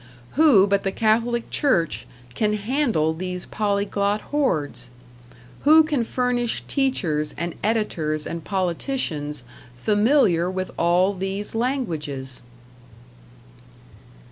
Who but the Catholic Church can handle these polyglot hordes? Who can furnish teachers and editors and politicians familiar with all these languages?